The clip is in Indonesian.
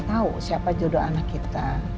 tahu siapa jodoh anak kita